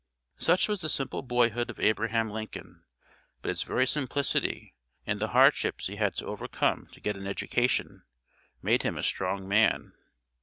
Such was the simple boyhood of Abraham Lincoln, but its very simplicity, and the hardships he had to overcome to get an education, made him a strong man.